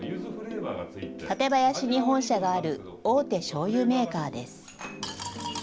館林に本社がある大手しょうゆメーカーです。